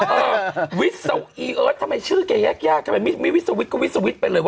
เออวิสวอีเอิร์ททำไมชื่อแกยากยากทำไมมีมีวิสวิทก็วิสวิทเป็นเลยวะ